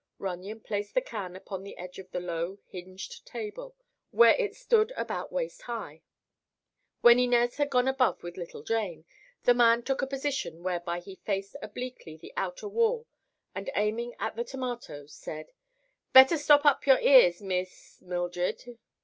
Runyon placed the can upon the edge of the low hinged table, where it stood about waist high. When Inez had gone above with little Jane, the man took a position whereby he faced obliquely the outer wall and aiming at the tomatoes said: "Better stop up your ears, Miss—Mildred."